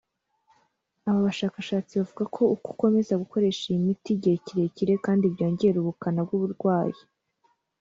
Aba bashakashatsi bavuga ko uko ukomeza gukoresha iyi miti igihe kirekire kandi byongera ubukana bw’uburwayi